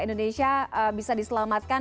indonesia bisa diselamatkan